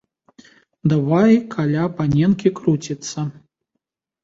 Давай каля паненкі круціцца.